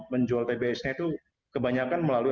menjual tbs nya itu kebanyakan melalui